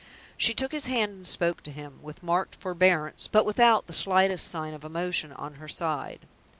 She took his hand and spoke to him with marked forbearance, but without the slightest sign of emotion on her side.